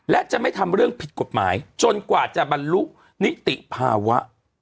และจะไม่ทำเรื่องผิดกฎหมายจนกว่าจะบรรลุนิติภาวะ